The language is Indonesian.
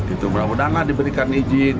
itu mudah mudahan lah diberikan izin